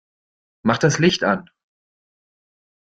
Mach das Licht an!